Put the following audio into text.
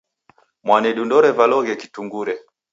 Mwanedu ndorevaloghe kitungure.